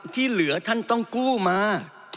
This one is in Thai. ที่เหลือท่านต้องกู้มา